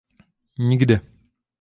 Nikde.